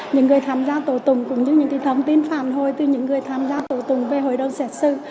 những người tham gia tổ tùng cũng như những cái thông tin phản hồi từ những người tham gia tổ tùng về hội đồng xét xử